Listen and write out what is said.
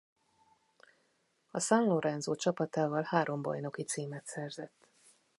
A San Lorenzo csapatával három bajnoki címet szerzett.